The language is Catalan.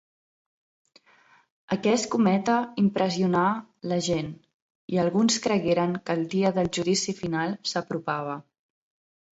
Aquest cometa impressionà la gent, i alguns cregueren que el dia del judici final s'apropava.